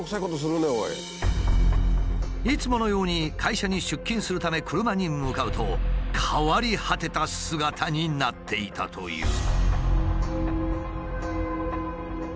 いつものように会社に出勤するため車に向かうと変わり果てた姿になっていたという。